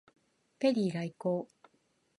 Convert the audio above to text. ペリー来航